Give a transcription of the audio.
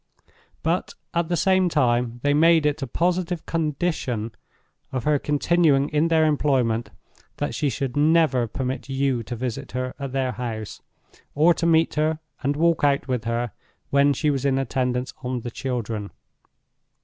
But, at the same time, they made it a positive condition of her continuing in their employment that she should never permit you to visit her at their house, or to meet her and walk out with her when she was in attendance on the children.